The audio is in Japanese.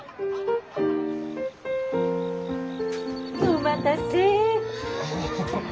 お待たせ。